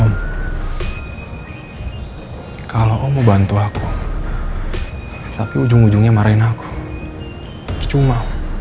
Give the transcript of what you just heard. om kalau om mau bantu aku tapi ujung ujungnya marahin aku kecuma